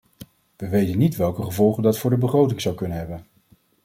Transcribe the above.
We weten niet welke gevolgen dat voor de begroting zou kunnen hebben.